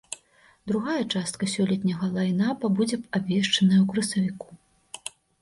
Другая частка сёлетняга лайн-апа будзе абвешчаная ў красавіку.